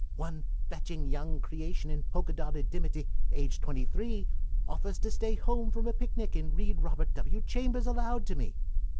One fetching young creation in polka dotted dimity, aged twenty three, offers to stay home from a picnic and read Robert W. Chambers aloud to me.